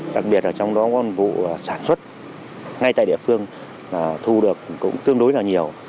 đặc biệt là trong đó có vụ sản xuất ngay tại địa phương thu được cũng tương đối là nhiều